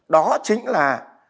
đó chính là